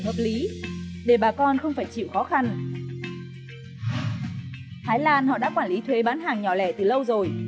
hợp lý để bà con không phải chịu khó khăn thái lan họ đã quản lý thuế bán hàng nhỏ lẻ từ lâu rồi